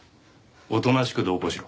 おとなしく同行しろ。